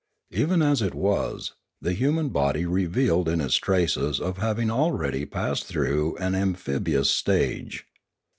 Even as it was, the human body revealed in it traces of having already passed through an amphibious stage.